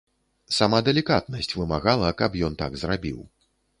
Сама далікатнасць вымагала, каб ён так зрабіў.